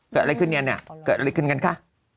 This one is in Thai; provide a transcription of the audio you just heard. เกิดอะไรขึ้นเนี่ยเกิดอะไรขึ้นกันคะ